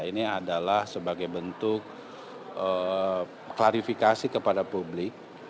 ini adalah sebagai bentuk klarifikasi kepada publik